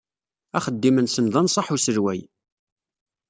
Axeddim-nsen d anṣaḥ n uselway.